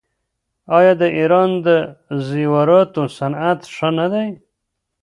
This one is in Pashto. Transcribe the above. آیا د ایران د زیوراتو صنعت ښه نه دی؟